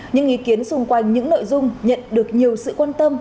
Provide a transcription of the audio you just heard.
những ý kiến xung quanh những nội dung nhận được nhiều sự quan tâm